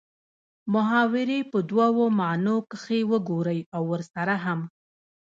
محاورې په دوو معنو کښې وګورئ او ورسره هم